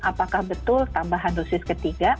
apakah betul tambahan dosis ketiga